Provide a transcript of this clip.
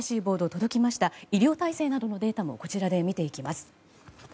医療体制などのデータもこちらで見ていきます。